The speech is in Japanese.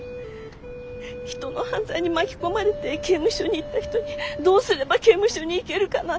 人の犯罪に巻き込まれて刑務所に行った人にどうすれば刑務所に行けるかなんて。